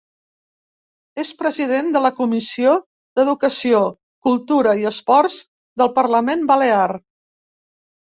És president de la Comissió d'Educació, Cultura i Esports del Parlament Balear.